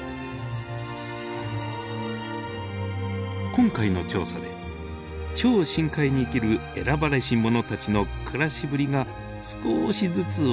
今回の調査で超深海に生きる選ばれしものたちの暮らしぶりが少しずつ分かってきました。